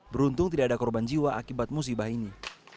beruntung tidak ada korban jiwa akibat musibah ini